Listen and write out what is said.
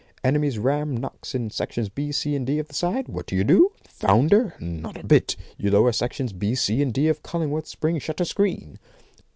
Enemy's ram knocks in sections B, C, D of the side. What do you do? Founder? Not a bit; you lower sections B, C, and D of Cullingworth's spring shutter screen.